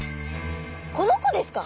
この子ですか？